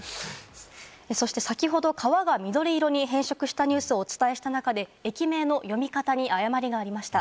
そして先ほど川が緑色に変色したニュースをお伝えした中で、駅名の読み方に誤りがありました。